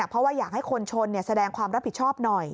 เพราะว่าอยากให้คนชนแสดงความรับผิดชอบหน่อย